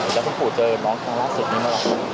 แล้วถ้าปู่เจอน้องสังลาษีรึเปล่า